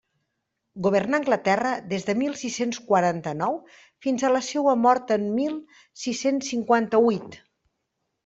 Governà Anglaterra des de mil sis-cents quaranta-nou fins a la seua mort en mil sis-cents cinquanta-huit.